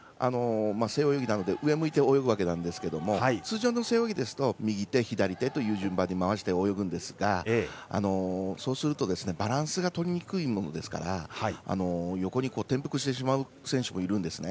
背泳ぎなので、上を向いて泳ぐわけなんですけれども通常の背泳ぎですと右手、左手という順番に回して泳ぐんですが、そうするとバランスがとりにくいものですから横に転覆してしまう選手もいるんですね。